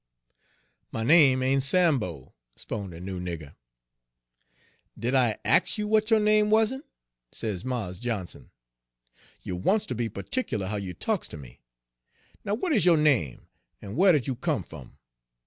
" 'My name ain' Sambo,' 'spon' de noo nigger. " 'Did I ax you w'at yo' name wa'n't?' sez Mars Johnson. 'You wants ter be pa'tic'lar how you talks ter me. Now, Page 82 w'at is yo' name, en whar did you come fum?'